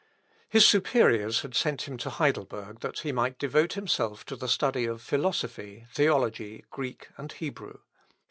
His superiors had sent him to Heidelberg that he might devote himself to the study of philosophy, theology, Greek, and Hebrew.